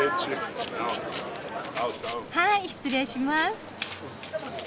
はい失礼します。